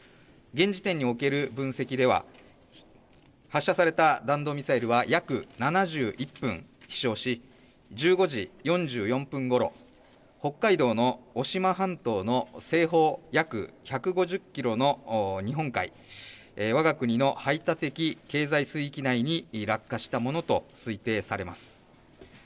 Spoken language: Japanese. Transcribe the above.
現時点における分析では発射された弾道ミサイルは約７１分飛しょうし１５時４４分ごろ、北海道の渡島半島の西方、約１５０キロの日本海、わが国の排他的経済水域内に落下したものと推定されます。